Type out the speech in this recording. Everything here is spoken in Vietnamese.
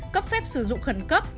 cấp phép sử dụng khẩn cấp